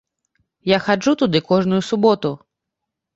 Я хаджу туды кожную суботу.